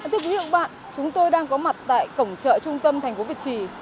thưa quý vị chúng tôi đang có mặt tại cổng chợ trung tâm thành phố việt trì